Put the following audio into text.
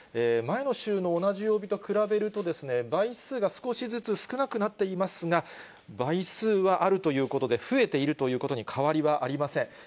前の週の同じ曜日と比べると、倍数が少しずつ少なくなっていますが、倍数はあるということで、増えているということに変わりはありません。